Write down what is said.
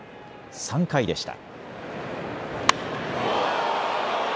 ３回でした。